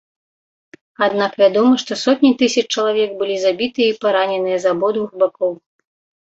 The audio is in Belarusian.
Аднак вядома, што сотні тысяч чалавек былі забітыя і параненыя з абодвух бакоў.